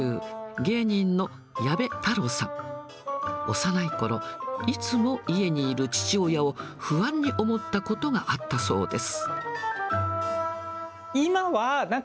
幼いころ、いつも家にいる父親を、不安に思ったことがあったそうです。